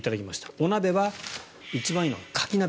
お鍋は、一番いいのはカキ鍋。